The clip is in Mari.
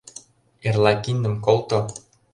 Эрла киндым колто.